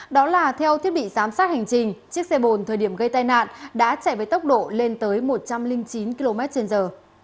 đó là theo thiết bị giám sát hành trình chiếc xe bồn thời điểm gây tai nạn đã chạy với tốc độ lên tới một trăm linh chín km trên giờ